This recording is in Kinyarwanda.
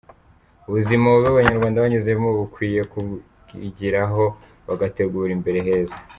ubuzima bubi abanyarwanda banyuzemo bakwiye kubwigiraho bagategura imbere heza.